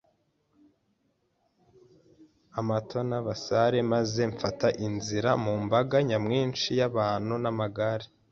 amato n'abasare, maze mfata inzira mu mbaga nyamwinshi y'abantu n'amagare